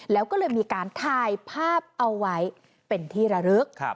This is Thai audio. แล้วก็เลยมีการถ่ายภาพเอาไว้เป็นที่ระลึก